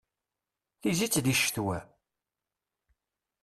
Tizzit di ccetwa!